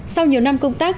sau nhiều năm công tác